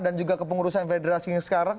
dan juga ke pengurusan federasi yang sekarang